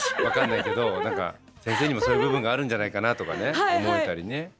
分かんないけど何か先生にもそういう部分があるんじゃないかなとかね思えたりね。